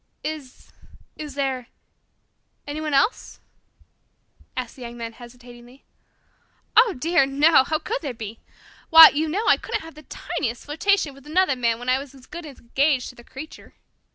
"Is is there anyone else?" asked the Young Man hesitatingly. "Oh, dear, no. How could there be? Why, you know, I couldn't have the tiniest flirtation with another man when I was as good as engaged to the Creature.